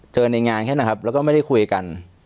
ในงานแค่นั้นครับแล้วก็ไม่ได้คุยกัน